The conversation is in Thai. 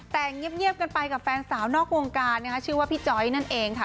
แต่งเงียบกันไปกับแฟนสาวนอกวงการนะคะชื่อว่าพี่จอยนั่นเองค่ะ